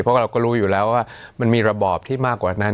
เพราะเราก็รู้อยู่แล้วว่ามันมีระบอบที่มากกว่านั้น